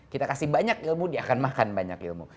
kita kasih banyak ilmu dia akan makan banyak ilmu